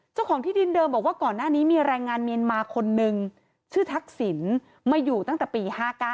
เจ้าของที่ดินเดิมบอกว่าก่อนหน้านี้มีแรงงานเมียนมาคนนึงชื่อทักษิณมาอยู่ตั้งแต่ปี๕๙